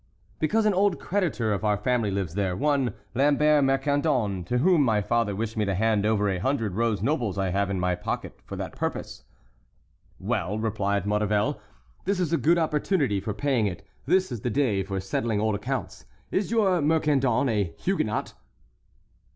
"Because an old creditor of our family lives there, one Lambert Mercandon, to whom my father wished me to hand over a hundred rose nobles I have in my pocket for that purpose." "Well," replied Maurevel, "this is a good opportunity for paying it. This is the day for settling old accounts. Is your Mercandon a Huguenot?"